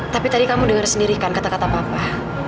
tapi tadi kamu dengar sendiri kan kata kata papa